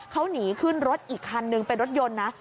เขาหนีขึ้นรถอีกคันนึงเป็นรถยนต์นะ